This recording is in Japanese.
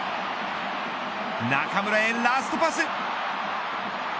中村へラストパス。